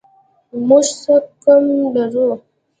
موږ څه کم لرو؟